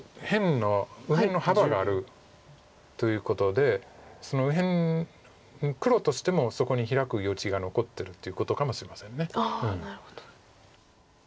右辺の幅があるということで右辺黒としてもそこにヒラく余地が残ってるということかもしれません。